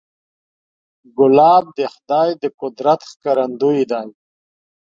ګلاب د خدای د قدرت ښکارندوی دی.